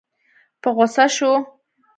په غوسه شو.